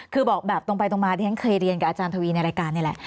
คือบอกแบบตรงไปตรงมาที่ฉันเคยเรียนกับอาจารย์ทวีในรายการนี่แหละ